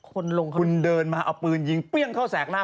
คุณเดินมาเอาปืนยิงเปรี้ยงเข้าแสกหน้า